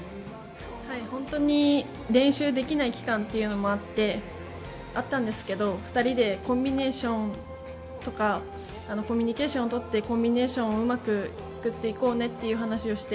本当に練習できない期間というのもあったんですけど２人でコミュニケーションをとってコンビネーションをうまく作っていこうねって話をして。